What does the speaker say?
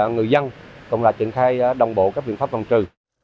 người dân còn lại triển khai đồng bộ các biện pháp phòng trừ